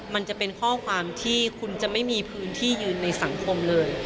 มันจะเป็นข้อความที่คุณจะไม่มีพื้นที่ยืนในสังคมเลย